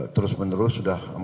terus menerus sudah